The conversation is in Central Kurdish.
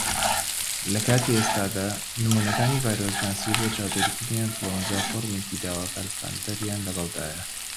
لە کاتی ئێستادا، نمونەکانی ڤایرۆسناسی بۆ چاودێریکردنی ئەنفلوەنزا فۆرمێکی داواکار ستاندەریان لەگەڵدایە.